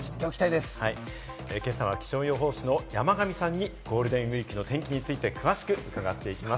今朝は気象予報士の山神さんにゴールデンウイークの天気について詳しく伺っていきます。